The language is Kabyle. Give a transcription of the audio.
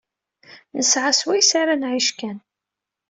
Nesɛa swayes ara nɛic kan.